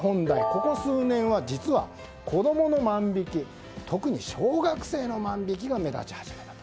ここ数年は実は子供の万引き、特に小学生の万引きが目立ち始めたと。